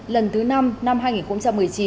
lần thứ năm năm hai nghìn một mươi chín